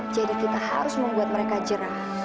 jadi kita harus membuat mereka jerah